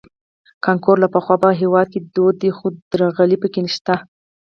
کانکور له پخوا په هېواد کې دود دی خو درغلۍ پکې شته